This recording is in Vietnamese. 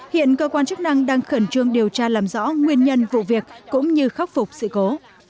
hiện cơ quan chức năng đang khẩn trương điều tra làm rõ nguyên nhân vụ việc cũng như khắc phục sự cố